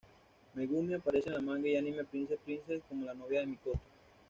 Megumi aparece en el manga y anime "Princess Princess", como la novia de Mikoto.